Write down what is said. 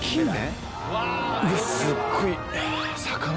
うわすっごい！